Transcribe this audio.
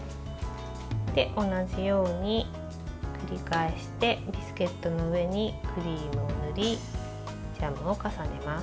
同じように繰り返してビスケットの上にクリームを塗りジャムを重ねます。